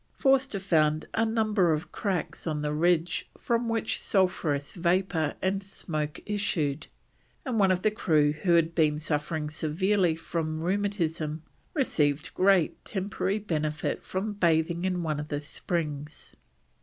Forster found a number of cracks on the ridge from which sulphurous vapour and smoke issued, and one of the crew who had been suffering severely from rheumatism received great temporary benefit from bathing in one of the springs.